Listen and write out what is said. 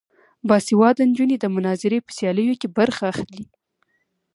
باسواده نجونې د مناظرې په سیالیو کې برخه اخلي.